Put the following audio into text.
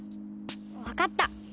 わかった。